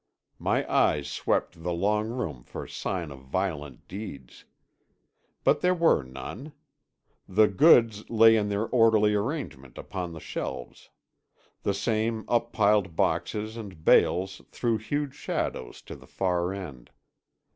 My eyes swept the long room for sign of violent deeds. But there were none. The goods lay in their orderly arrangement upon the shelves. The same up piled boxes and bales threw huge shadows to the far end.